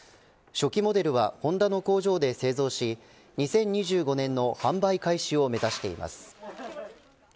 初期モデルはホンダの工場で製造し２０２５年の販売開始を目指しています。